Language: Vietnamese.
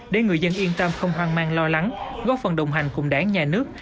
để người dân yên tâm không hoang mang lo lắng góp phần đồng hành cùng đảng nhà nước